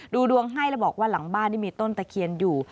ดูดวงให้แล้วบอกว่าหลังบ้านนี่มีต้นตะเคียนอยู่